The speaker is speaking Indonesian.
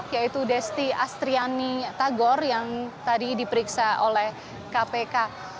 yaitu desti astriani tagor yang tadi diperiksa oleh kpk